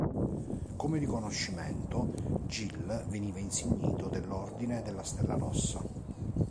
Come riconoscimento Gil veniva insignito dell'ordine della Stella rossa.